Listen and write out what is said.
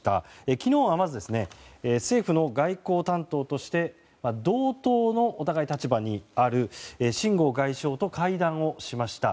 昨日はまず、政府の外交担当としてお互い、同等の立場にあるシン・ゴウ外相と会談をしました。